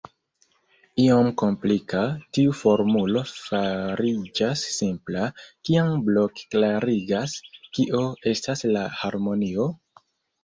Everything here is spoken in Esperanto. Iom komplika, tiu formulo fariĝas simpla, kiam Blok klarigas: Kio estas la harmonio?